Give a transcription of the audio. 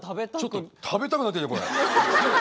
ちょっと食べたくなってきたこれ。